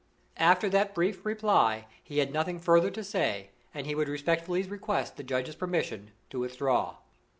After that brief reply he had nothing further to say, and he would respectfully request the justice's permission to withdraw.